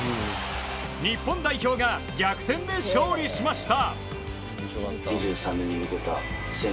日本代表が逆転で勝利しました。